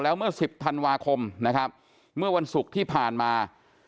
แล้วเมื่อ๑๐ธันวาคมนะครับเมื่อวันศุกร์ที่ผ่านมา